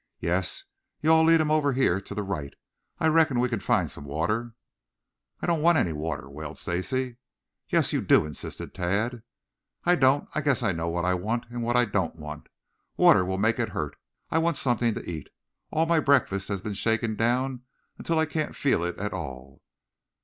"Yes. You all lead him over here to the right. I reckon we can find some water." "I don't want any water," wailed Stacy. "Yes you do," insisted Tad. "I don't. I guess I know what I want and what I don't want. Water will make it hurt. I want something to eat. All my breakfast has been shaken down until I can't feel it at all."